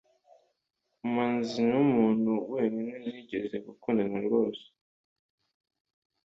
manzi numuntu wenyine nigeze gukundana rwose